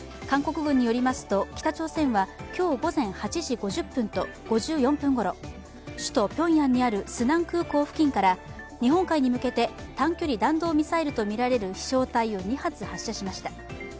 韓国軍によりますと、北朝鮮は今日午前８時５０分と５４分ごろ首都ピョンヤンにあるスナン空港付近から日本海に向けて短距離弾道ミサイルとみられる飛翔体を２発発射しました。